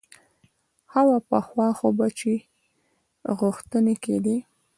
ښه وه پخوا خو به چې غوښتنې کېدې.